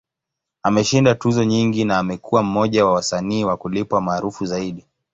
Ameshinda tuzo nyingi, na amekuwa mmoja wa wasanii wa kulipwa maarufu zaidi.